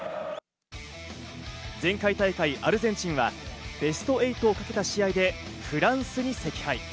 前回大会アルゼンチンはベスト８をかけた試合でフランスに惜敗。